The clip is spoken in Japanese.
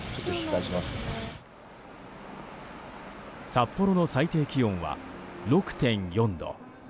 札幌の最低気温は６．４度。